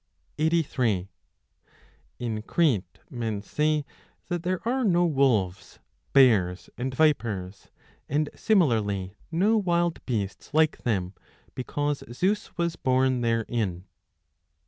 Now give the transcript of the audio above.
83 In Crete men say that there are no wolves, bears, and vipers, and similarly no wild beasts like them, because Zeus was born therein.